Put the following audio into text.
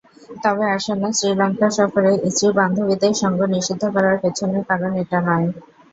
তবে আসন্ন শ্রীলঙ্কা সফরে স্ত্রী-বান্ধবীদের সঙ্গ নিষিদ্ধ করার পেছনের কারণ এটা নয়।